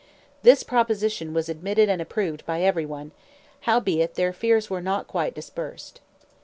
This proposition was admitted and approved by every one; howbeit, their fears were not quite dispersed.